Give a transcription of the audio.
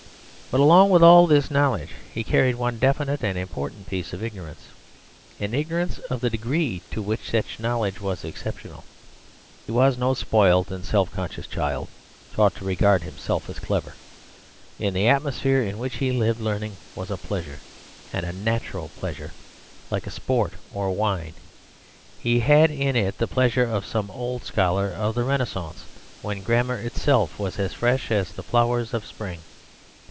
But along with all this knowledge he carried one definite and important piece of ignorance, an ignorance of the degree to which such knowledge was exceptional. He was no spoilt and self conscious child, taught to regard himself as clever. In the atmosphere in which he lived learning was a pleasure, and a natural pleasure, like sport or wine. He had in it the pleasure of some old scholar of the Renascence, when grammar itself was as fresh as the flowers of spring.